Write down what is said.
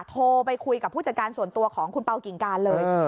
โทรไปคุยกับผู้จัดการส่วนตัวของคุณเปล่ากิ่งการเลย